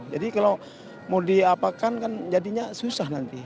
jadi kalau mau diapakan kan jadinya susah nanti